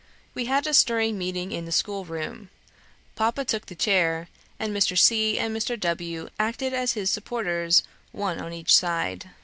We had a stirring meeting in the schoolroom. Papa took the chair, and Mr. C. and Mr. W. acted as his supporters, one on each side.